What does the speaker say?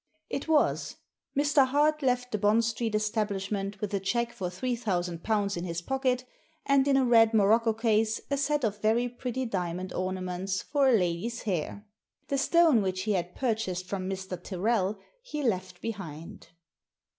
It was. Mr. Hart left the Bond Street establish ment with a cheque for three thousand pounds in his pocket, and in a red morocco case a set of very pretty diamond ornaments for a lady's hair. The stone which he had purchased from Mr, Tyrrel he left behind.